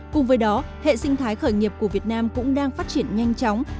cùng với đó hệ sinh thái khởi nghiệp của việt nam cũng đang phát triển nhanh chóng